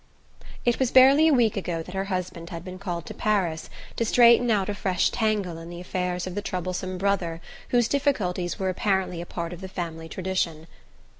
It was barely a week ago that her husband had been called to Paris to straighten out a fresh tangle in the affairs of the troublesome brother whose difficulties were apparently a part of the family tradition.